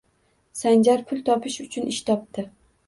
Sanjar pul topish uchun ish topdi